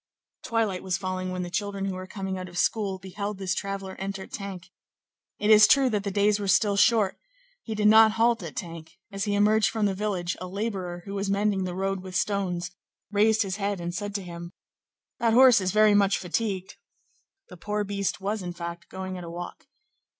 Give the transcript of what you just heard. Twilight was falling when the children who were coming out of school beheld this traveller enter Tinques; it is true that the days were still short; he did not halt at Tinques; as he emerged from the village, a laborer, who was mending the road with stones, raised his head and said to him:— "That horse is very much fatigued." The poor beast was, in fact, going at a walk.